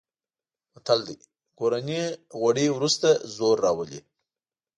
متل دی: کورني غوړي ورسته زور راولي.